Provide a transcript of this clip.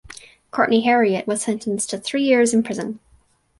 Courtney Harriot was sentenced to three years in prison.